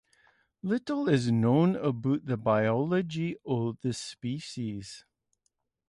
Little is known about the biology of this species.